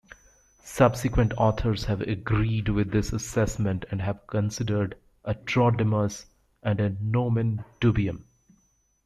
Subsequent authors have agreed with this assessment and have considered "Antrodemus" a "nomen dubium".